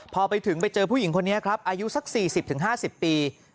พอไปถึงไปเจอผู้หญิงคนนี้ครับอายุสัก๔๐๕๐ปี